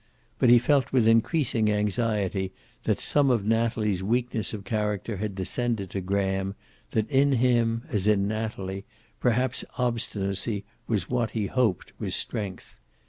But he felt with increasing anxiety that some of Natalie's weakness of character had descended to Graham, that in him, as in Natalie, perhaps obstinacy was what he hoped was strength.